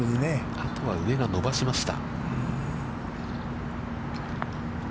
あとは上が伸ばしました。